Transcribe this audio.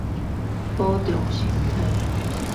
保重身體